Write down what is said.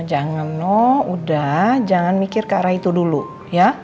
jangan no udah jangan mikir ke arah itu dulu ya